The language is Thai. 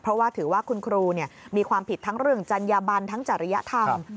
เพราะว่าถือว่าคุณครูมีความผิดทั้งเรื่องจัญญบันทั้งจริยธรรม